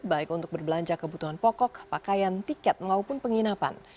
baik untuk berbelanja kebutuhan pokok pakaian tiket maupun penginapan